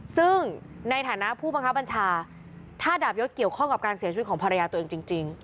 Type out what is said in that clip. ซึ่งในฐานะผู้บังคับบัญชาถ้าดาบยศเกี่ยวข้องกับการเสียชีวิตของภรรยาตัวเองจริง